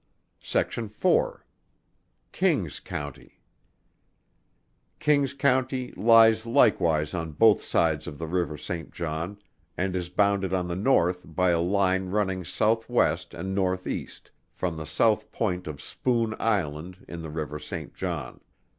SECTION IV. KING'S COUNTY. Lies likewise on both sides of the river Saint John, and is bounded on the North by a line running South West and North East, from the South point of Spoon Island in the river Saint John.